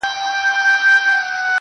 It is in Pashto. o دا مه وايه چي ژوند تر مرگ ښه دی.